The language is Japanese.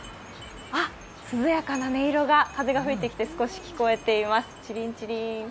涼やかな音色が、風が吹いてきて聞こえています、チリンチリン。